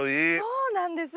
そうなんです！